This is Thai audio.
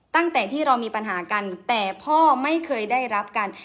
ตั้งแต่ที่เรามีปัญหากันแต่พ่อไม่เคยได้รับกัน